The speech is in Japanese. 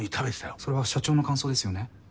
それは社長の感想ですよね？